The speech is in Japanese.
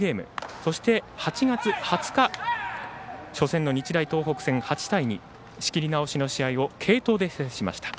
そして、８月２０日初戦の日大東北戦８対２で仕切り直しの試合を継投で制しました。